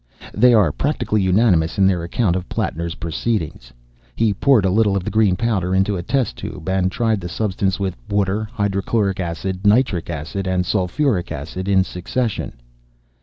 They are practically unanimous in their account of Plattner's proceedings. He poured a little of the green powder into a test tube, and tried the substance with water, hydrochloric acid, nitric acid, and sulphuric acid in succession.